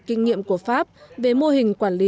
kinh nghiệm của pháp về mô hình quản lý